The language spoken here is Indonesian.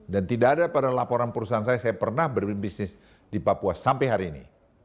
dan tidak ada pada laporan perusahaan saya saya pernah berbisnis di papua sampai hari ini